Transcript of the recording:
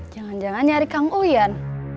jangan jangan nyari kang uyan